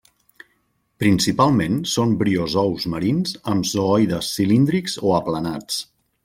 Principalment són briozous marins amb zooides cilíndrics o aplanats.